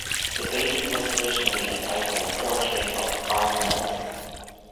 The painting was originally entitled "Portrait of Arnold".